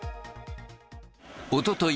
おととい